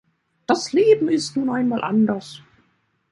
Das Leben ist nun einmal anders.